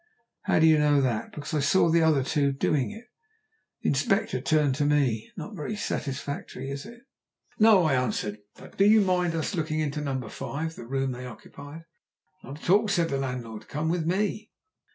"How do you know that?" "Because I saw the other two doing it." The Inspector turned to me. "Not very satisfactory, is it?" "No," I answered. "But do you mind letting us look into No. 5 the room they occupied?" "Not at all," said the landlord. "Come with me."